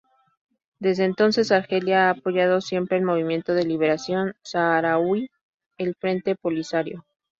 Desde entonces Argelia ha apoyado siempre al movimiento de liberación saharaui, el Frente Polisario.